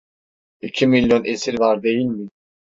İki milyon esir var değil mi?